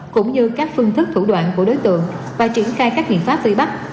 cũng như các phương thức thủ đoạn của đối tượng và triển khai các biện pháp truy bắt